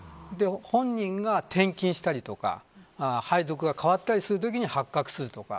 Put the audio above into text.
本人が転勤したりとか配属がかわったりするときに発覚するとか。